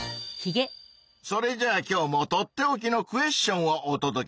それじゃあ今日もとっておきの「クエッション」をおとどけしよう！